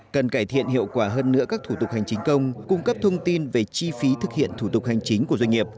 cần cải thiện hiệu quả hơn nữa các thủ tục hành chính công cung cấp thông tin về chi phí thực hiện thủ tục hành chính của doanh nghiệp